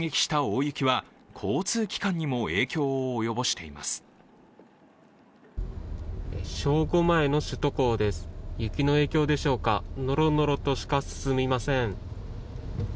雪の影響でしょうか、のろのろとしか進みません。